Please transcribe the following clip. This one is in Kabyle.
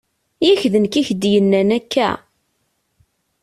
Yak d nekk i ak-d-yennan akka!